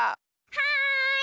はい！